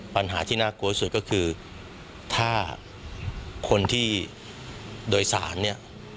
ปัญหาที่น่ากลัวที่สุดก็คือถ้าคนที่โดยสารเนี่ย